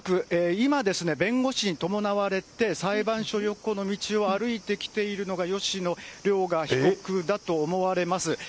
今、弁護士に伴われて、裁判所横の道を歩いてきているのが、吉野凌雅被告だと思われます。